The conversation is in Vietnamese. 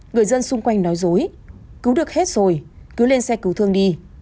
người dân xung quanh nói dối cứu được hết rồi cứ lên xe cứu thương đi